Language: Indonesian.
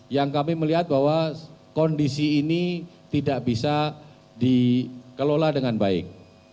yang kami melihat bahwa kondisi ini tidak bisa dikelola dengan baik